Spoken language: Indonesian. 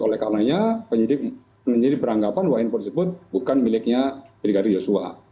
oleh karena penyidik beranggapan bahwa handphone tersebut bukan miliknya brigadir joshua